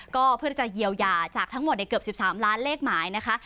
ก็เพื่อจะเยียวยาจากทั้งหมดในเกือบ๑๓ล้านเลขหมายนะคะ